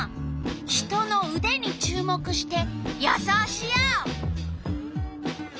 人のうでに注目して予想しよう。